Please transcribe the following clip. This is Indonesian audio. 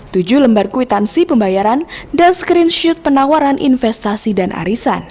tujuh lembar kwitansi pembayaran dan screenshot penawaran investasi dan arisan